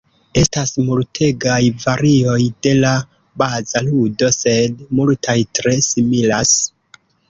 Estas multegaj varioj de la baza ludo, sed multaj tre similas.